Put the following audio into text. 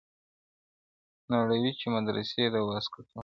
• نړوي چي مدرسې د واسکټونو -